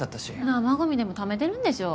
生ゴミでもためてるんでしょ。